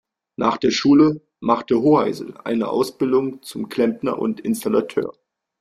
Nach der Schule machte Hoheisel eine Ausbildung zum Klempner und Installateur.